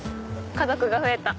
家族が増えた！